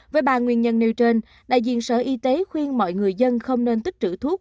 với bà nguyễn nhân niu trên đại diện sở y tế khuyên mọi người dân không nên tích trữ thuốc